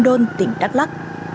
môn đôn tỉnh đắk lắc